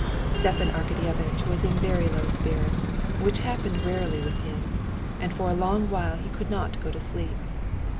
Stepan Arkadyevitch was in very low spirits, which happened rarely with him, and for a long while he could not go to sleep.